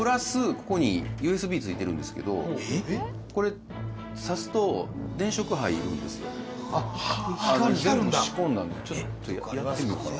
ここにＵＳＢ付いてるんですけどこれ挿すと電飾入るんですよ・光るんだ全部仕込んだのでちょっとやってみようかな